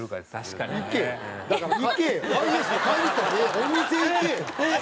お店行けよ！